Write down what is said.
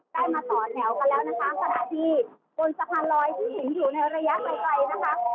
ได้มาต่อแถวกันแล้วนะคะขณะที่บนสะพานลอยที่เห็นอยู่ในระยะไกลไกลนะคะ